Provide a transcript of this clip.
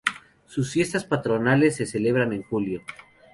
Sus fiestas patronales se celebran en julio.